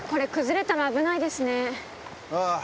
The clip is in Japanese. ああ。